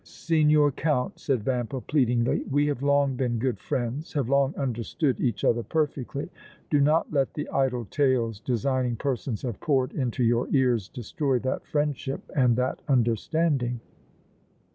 "Signor Count," said Vampa, pleadingly, "we have long been good friends, have long understood each other perfectly. Do not let the idle tales designing persons have poured into your ears destroy that friendship and that understanding!"